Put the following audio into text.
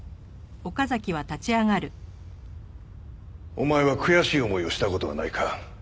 お前は悔しい思いをした事はないか？